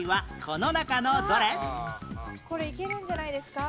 これいけるんじゃないですか？